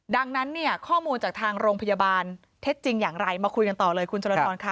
ดังนั้นเนี่ยข้อมูลจากทางโรงพยาบาลเท็จจริงอย่างไรมาคุยกันต่อเลยคุณจรทรค่ะ